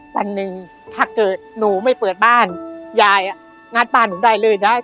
วันหนึ่งถ้าเกิดหนูไม่เปิดบ้านยายอ่ะงัดบ้านหนูได้เลยได้